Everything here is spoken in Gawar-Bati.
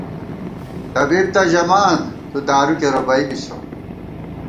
طبیب تہ ژَمان ، تُو دارُو کېرہ بئ بِسہ